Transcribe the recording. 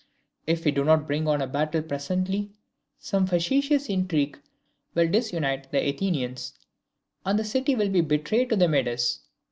If we do not bring on a battle presently, some factious intrigue will disunite the Athenians, and the city will be betrayed to the Medes.